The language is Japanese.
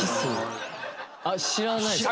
あっ知らないですか？